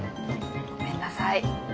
ごめんなさい。